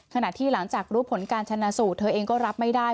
ขณะที่หลังจากรู้ผลการชนะสูตรเธอเองก็รับไม่ได้